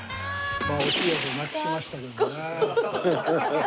まあ惜しいやつをなくしましたけどね。